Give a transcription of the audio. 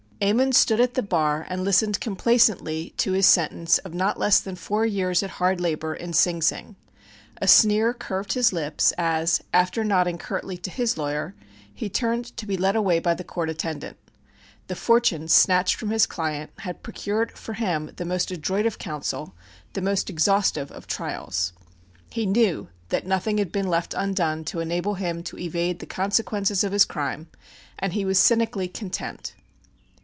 Ammon stood at the bar and listened complacently to his sentence of not less than four years at hard labor in Sing Sing. A sneer curved his lips as, after nodding curtly to his lawyer, he turned to be led away by the court attendant. The fortune snatched from his client had procured for him the most adroit of counsel, the most exhaustive of trials. He knew that nothing had been left undone to enable him to evade the consequences of his crime, and he was cynically content.